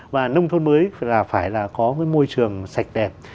và nông thôn mới phải là có môi trường sạch đẹp